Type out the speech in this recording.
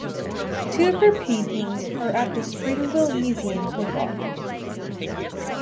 Two of her paintings are at the Springville Museum of Art.